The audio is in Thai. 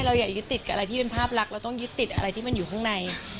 อย่ายึดติดกับอะไรที่เป็นภาพลักษณ์เราต้องยึดติดอะไรที่มันอยู่ข้างใน